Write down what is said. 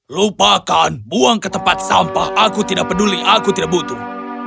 lupakan buang ke tempat sampah aku tidak peduli aku tidak butuh